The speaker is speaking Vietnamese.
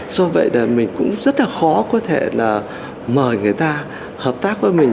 do vậy là mình cũng rất là khó có thể là mời người ta hợp tác với mình